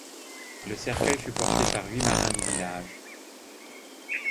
Le cercueil fut porté par huit marins du village.